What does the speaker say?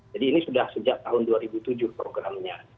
jadi ini sudah sejak tahun dua ribu tujuh programnya